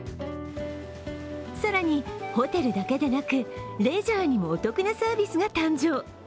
更に、ホテルだけでなくレジャーにもお得なサービスが誕生。